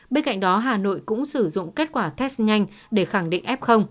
bên cạnh đó hà nội cũng sử dụng kết quả test nhanh để khẳng định f